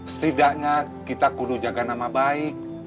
setidaknya kita kudu jaga nama baik